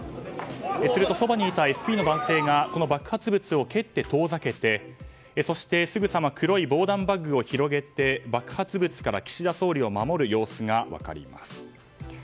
するとそばにいたＳＰの男性がこの爆発物を蹴って遠ざけて、そしてすぐさま黒い防弾バッグを広げて爆発物から岸田総理を守る様子が分かります。